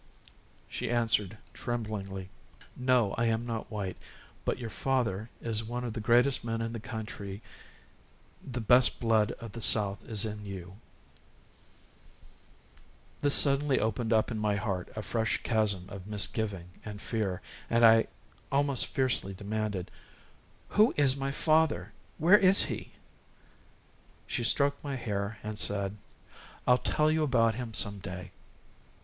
She answered tremblingly: "No, I am not white, but you your father is one of the greatest men in the country the best blood of the South is in you " This suddenly opened up in my heart a fresh chasm of misgiving and fear, and I almost fiercely demanded: "Who is my father? Where is he?" She stroked my hair and said: "I'll tell you about him some day."